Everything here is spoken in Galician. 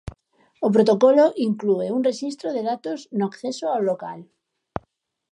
O protocolo inclúe un rexistro de datos no acceso ao local.